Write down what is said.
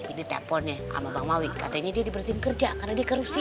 ini teleponnya sama bang hawi katanya dia diberhentiin kerja karena dia korupsi